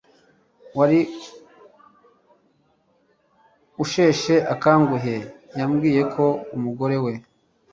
wari usheshe akanguhe yabwiwe ko umugore we